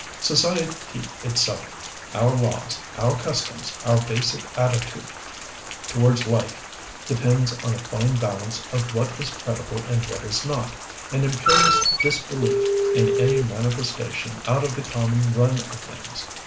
Society itself, our laws, our customs, our basic attitude towards life depends on a fine balance of what is credible and what is not, an imperious disbelief in any manifestation out of the common run of things.